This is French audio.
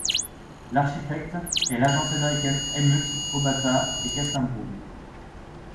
L'architecte est l'agence américaine Hellmuth, Obata & Kassabaum.